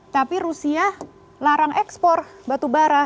tapi rusia larang ekspor batu bara